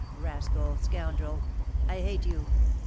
Rascal! scoundrel! I hate you!